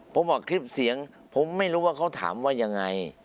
ผมบอกคลิปเสียงผมไม่รู้ว่าเขาถามว่ายังไง